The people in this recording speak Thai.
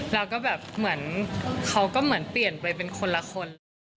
แล้วก็แบบเหมือนเขาก็เหมือนเปลี่ยนไปเป็นคนละคนเลย